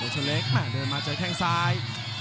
ชะเล็กเดินมาเจอแข้งซ้าย